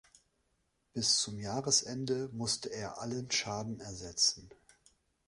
Bis zum Jahresende musste er allen Schaden ersetzen.